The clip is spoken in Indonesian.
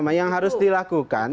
jadi yang harus dilakukan